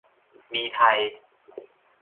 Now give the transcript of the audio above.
มีไทย